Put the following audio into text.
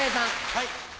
はい。